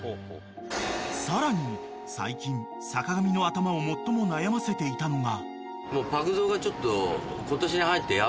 ［さらに最近坂上の頭を最も悩ませていたのが］